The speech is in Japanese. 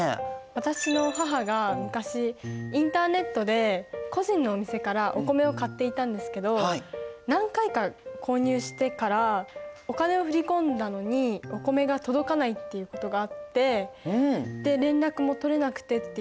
私の母が昔インターネットで個人のお店からお米を買っていたんですけど何回か購入してからお金を振り込んだのにお米が届かないっていうことがあってで連絡も取れなくてっていうことがありました。